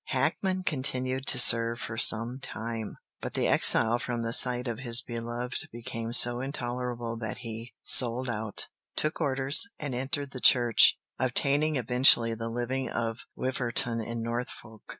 Hackman continued to serve for some time, but the exile from the sight of his beloved became so intolerable that he sold out, took orders, and entered the Church, obtaining eventually the living of Wiverton in Norfolk.